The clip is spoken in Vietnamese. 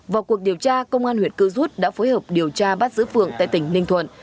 vào cuộc điều tra công an huyện cư rút đã phối hợp điều tra bắt giữ phượng tại tỉnh ninh thuận